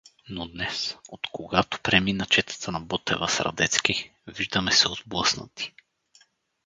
Но днес, откогато премина четата на Ботева с Радецки, виждаме се отблъснати.